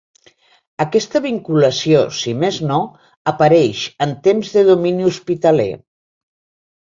Aquesta vinculació, si més no, apareix en temps de domini hospitaler.